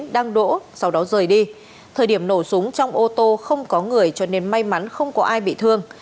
đang đỗ sau đó rời đi thời điểm nổ súng trong ô tô không có người cho nên may mắn không có ai bị thương